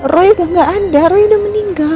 roy udah gak ada roy udah meninggal